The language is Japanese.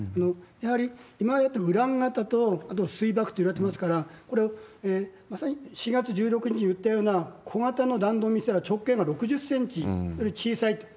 やはり今やってるウラン型と、あと水爆っていわれてますから、これ、まさに４月１６日に撃ったような、小型の弾道ミサイルは直径が６０センチより小さいと。